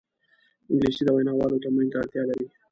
انګلیسي د ویناوالو تمرین ته اړتیا لري